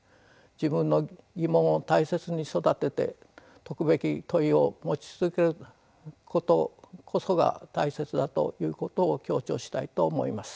自分の疑問を大切に育てて解くべき問いを持ち続けることこそが大切だということを強調したいと思います。